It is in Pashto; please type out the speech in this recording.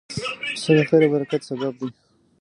پسه د خیر او برکت سبب دی.